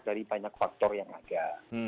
dari banyak faktor yang ada